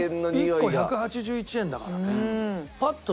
１個１８１円だからね。